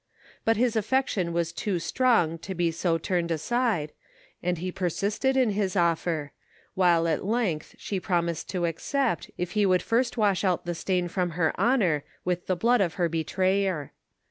But his affection was too strong to be so turned aside, and he persisted in his offer* which at length she promised to accept, if he would first wash out the stain from her honor with the blood of her betrayer.